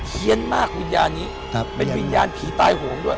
ี้ยนมากวิญญาณนี้เป็นวิญญาณผีตายโหงด้วย